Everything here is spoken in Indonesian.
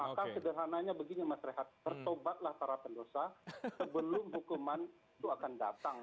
maka sederhananya begini mas rehat bertobatlah para pendosa sebelum hukuman itu akan datang